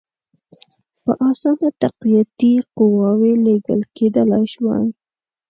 په اسانه تقویتي قواوي لېږل کېدلای سوای.